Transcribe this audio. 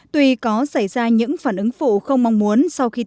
tùy có xảy ra những phản ứng phụ không mong muốn